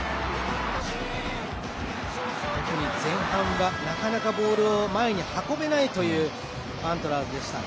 前半なかなかボールを前に運べないというアントラーズでした。